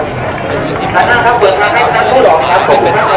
มุมการก็แจ้งแล้วเข้ากลับมานะครับ